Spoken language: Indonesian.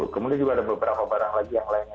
kemudian juga ada beberapa barang lagi yang lainnya